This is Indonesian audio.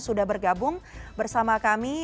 sudah bergabung bersama kami